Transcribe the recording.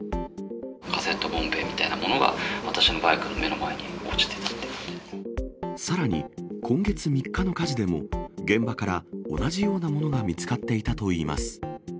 カセットボンベみたいなものが、さらに今月３日の火事でも、現場から同じようなものが見つかっていたといいます。